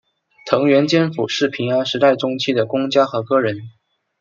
藤原兼辅是平安时代中期的公家和歌人。